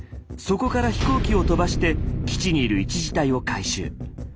そこから飛行機を飛ばして基地にいる１次隊を回収。